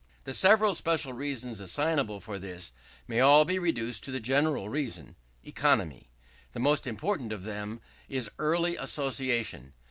The several special reasons assignable for this may all be reduced to the general reason economy. The most important of them is early association.